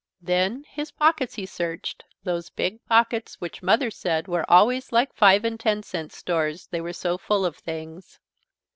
Then his pockets he searched, those big pockets which Mother said were always like five and ten cent stores, they were so full of things.